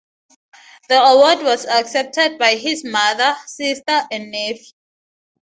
The award was accepted by his mother, sister and nephew.